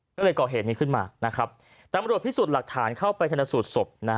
ก็เลยก่อเหตุนี้ขึ้นมานะครับตำรวจพิสูจน์หลักฐานเข้าไปธนสูตรศพนะฮะ